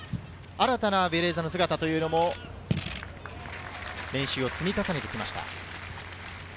新たなベレーザの姿という練習を積み重ねてきました。